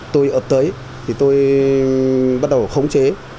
tôi ập tới thì tôi bắt đầu khống chế